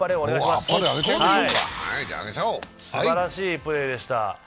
すばらしいプレーでした。